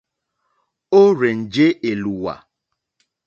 Ó rzènjé èlùwà.